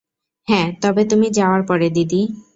হ্যাঁঁ, তবে তুমি যাওয়ার পরে, দিদি।